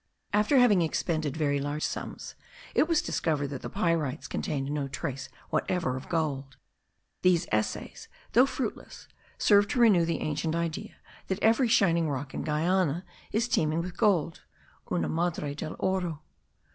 After having expended very large sums, it was discovered that the pyrites contained no trace whatever of gold. These essays, though fruitless, served to renew the ancient idea that every shining rock in Guiana is teeming with gold (una madre del oro).